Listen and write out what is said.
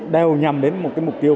đeo nhằm đến một mục tiêu